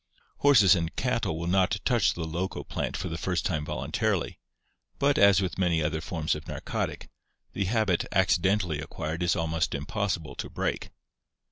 Horses and cattle will not touch the loco plant for the first time voluntarily, but as with many other forms of narcotic, the habit accidentally acquired is almost impossible to break.